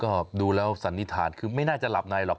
ก็ดูแล้วสันนิษฐานคือไม่น่าจะหลับในหรอก